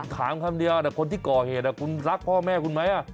คำเดียวคนที่ก่อเหตุคุณรักพ่อแม่คุณไหม